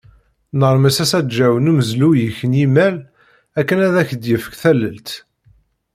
Nermes asaǧǧaw n umeẓlu-ik n yimayl akken ad ak-d-yefk tallelt.